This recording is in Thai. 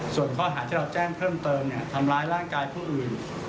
ส่วนข้อหาที่เราแจ้งเพิ่มเติมทำร้ายร่างกายผู้อื่น